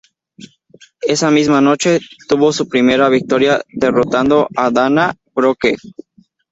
Esa misma noche, tuvo su primera victoria derrotando a Dana Brooke.